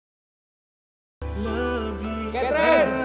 kok aku enggak bisa tahan tahan